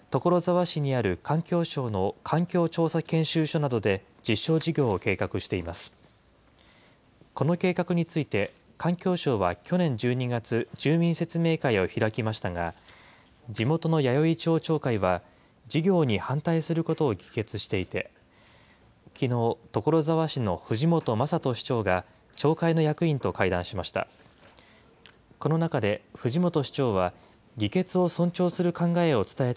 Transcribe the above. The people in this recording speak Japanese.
この計画について、環境省は去年１２月、住民説明会を開きましたが、地元の弥生町町会は事業に反対することを議決していて、きのう、所沢市の藤本正人市長が、町会の役員と会談しました。